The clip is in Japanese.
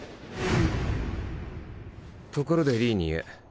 ところでリーニエ。